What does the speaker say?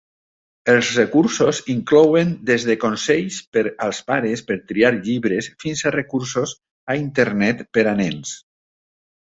Els recursos inclouen des de consells per als pares per triar llibres fins a recursos a Internet per a nens.